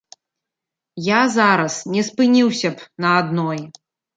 Я зараз не спыніўся б на адной.